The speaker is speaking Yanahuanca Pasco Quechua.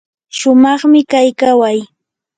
shumaqmi kay kaway.